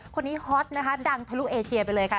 ฮอตนะคะดังทะลุเอเชียไปเลยค่ะ